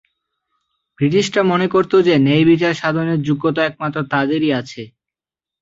ব্রিটিশরা মনে করত যে, ন্যায়বিচার সাধনের যোগ্যতা একমাত্র তাদেরই আছে।